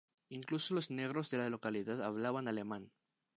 Incluso los negros de la localidad hablaban alemán.